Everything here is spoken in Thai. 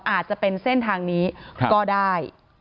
อาจจะเป็นเส้นทางนี้ก็ได้